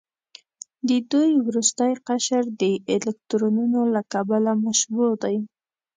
د دوی وروستی قشر د الکترونونو له کبله مشبوع دی.